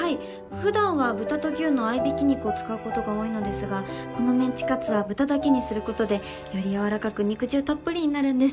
普段は豚と牛の合いびき肉を使うことが多いのですがこのメンチカツは豚だけにすることでよりやわらかく肉汁たっぷりになるんです。